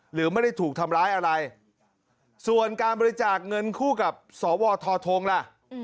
หรือไม่ได้ถูกทำร้ายอะไรส่วนการบริจาคเงินคู่กับสวทงล่ะ